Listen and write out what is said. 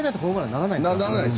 ならないんですよ。